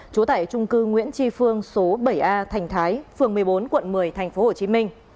trú tại trung cư nguyễn tri phương số bảy a thành thái phường một mươi bốn quận một mươi tp hcm